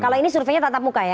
kalau ini surveinya tatap muka ya